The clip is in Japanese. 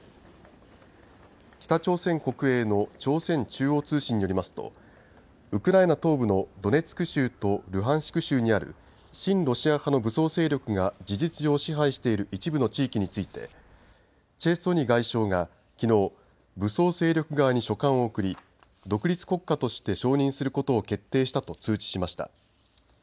北朝鮮国営の朝鮮中央通信によりますとウクライナ東部のドネツク州とルハンシク州にある親ロシア派の武装勢力が事実上支配している一部の地域についてチェ・ソニ外相がきのう武装勢力側に書簡を送り独立国家として承認することを決定したと通知しました。